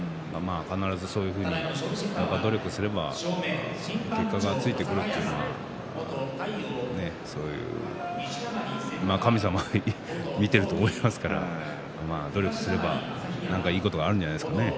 必ずそういうふうに努力をすれば結果がついてくるというのは神様、見ていると思いますから努力すれば何かいいことがあるんじゃないですかね。